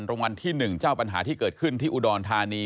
รางวัลที่๑เจ้าปัญหาที่เกิดขึ้นที่อุดรธานี